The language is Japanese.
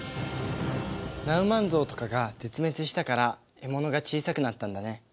ナウマンゾウとかが絶滅したから獲物が小さくなったんだね。